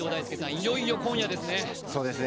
いよいよ今夜ですね？